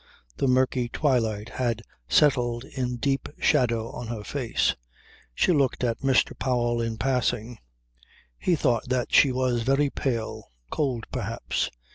The murky twilight had settled in deep shadow on her face. She looked at Mr. Powell in passing. He thought that she was very pale. Cold perhaps.